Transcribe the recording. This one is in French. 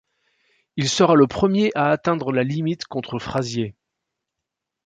Il sera le premier à atteindre la limite contre Frazier.